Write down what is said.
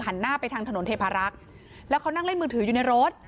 หน้าไปทางถนนเทพารักษ์แล้วเขานั่งเล่นมือถืออยู่ในรถ